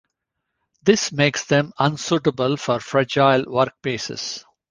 This makes them unsuitable for fragile workpieces.